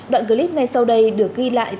đoạn clip ngay sau đây được ghi lại